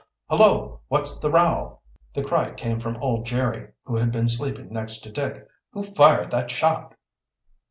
"Hullo! what's the row?" The cry came from old Jerry, who had been sleeping next to Dick. "Who fired that shot?"